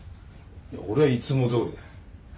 いや俺はいつもどおりだ。